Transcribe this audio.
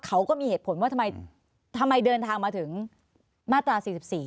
เขาก็มีเหตุผลว่าทำไมเดินทางมาถึงมาตรา๔๔